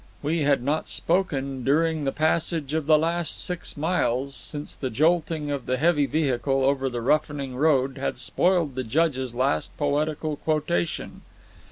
We had not spoken during the passage of the last six miles, since the jolting of the heavy vehicle over the roughening road had spoiled the Judge's last poetical quotation.